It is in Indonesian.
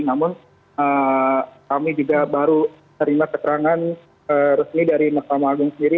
namun kami juga baru terima keterangan resmi dari mahkamah agung sendiri